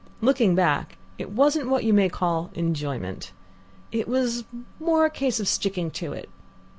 Looking back, it wasn't what you may call enjoyment. It was more a case of sticking to it.